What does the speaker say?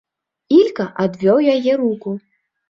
Ілька адвёў яе руку.